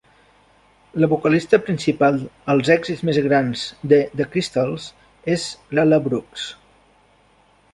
La vocalista principal als èxits més grans de The Crystals és La La Brooks.